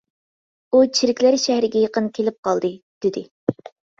ئۇ چېرىكلەر شەھەرگە يېقىن كېلىپ قالدى، دېدى.